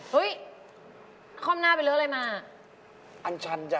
เฮ้ยคอมหน้าไปเรียกอะไรมามั้ยอ่ะอันชันจ้ะ